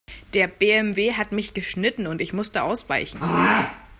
Der BMW hat mich geschnitten und ich musste ausweichen.